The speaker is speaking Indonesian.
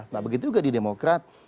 nah begitu juga di demokrat